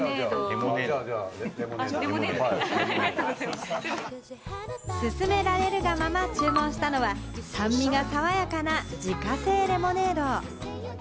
すすめられるがまま注文したのは、酸味が爽やかな自家製レモネード。